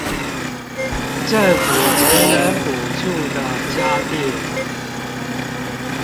政府節能補助的家電